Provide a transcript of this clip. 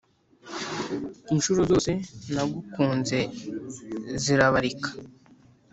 inshuro zose nagukunze zirabarika